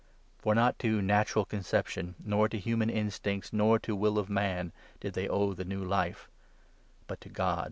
For not to natural conception, nor to human instincts, nor to 13 will of man did they owe the new Life, But to God.